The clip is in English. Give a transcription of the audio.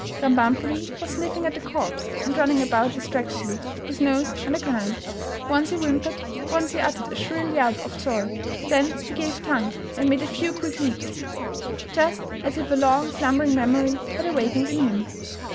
" Krambambuli was sniffing at the corpse, and running about distractedly, his nose on the ground. Once he whim pered, once he uttered a shrill yelp of joy; then he gave tongue and made a few quick leaps, just as if a long slum bering memory had awaked in him.